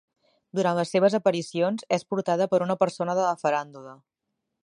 Durant les seves aparicions, és portada per una persona de la faràndula.